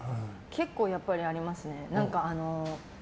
結構やっぱりありますね。